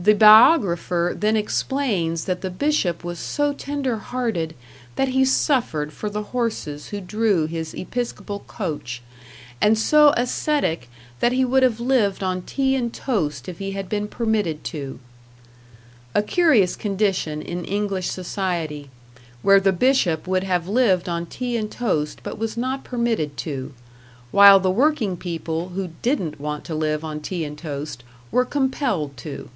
The biographer then explains that the Bishop was so tender hearted that he suffered for the horses who drew his episcopal coach, and so ascetic that he would have lived on tea and toast if he had been permitted to. A curious condition in English society, where the Bishop would have lived on tea and toast, but was not permitted to; while the working people, who didn't want to live on tea and toast, were compelled to!